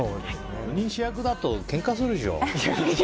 ４人主役だとケンカするでしょ。